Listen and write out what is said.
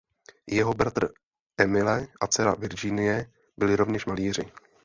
Jeho bratr Emile a dcera Virginie byli rovněž malíři.